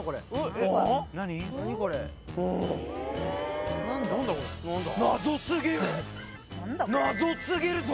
うん謎すぎるぞ